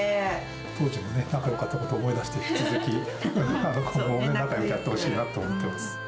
当時の仲よかっことを思い出して、引き続き今後も仲よくやってほしいなと思ってます。